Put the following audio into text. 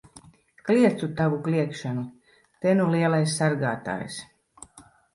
Kliedz tu tavu kliegšanu! Te nu lielais sargātājs!